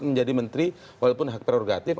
menjadi menteri walaupun hak prerogatif